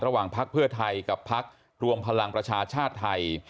พักเพื่อไทยกับพักรวมพลังประชาชาติไทย